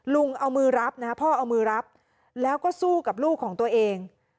ลุงเอามือรับนะฮะพ่อเอามือรับแล้วก็สู้กับลูกของตัวเอง